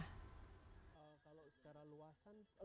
kalau secara luasan